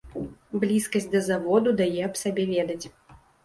Блізкасць да заводу дае аб сабе ведаць.